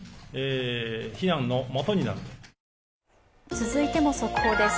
続いても速報です。